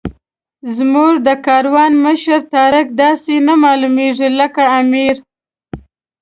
زموږ د کاروان مشر طارق داسې نه معلومېږي لکه امیر.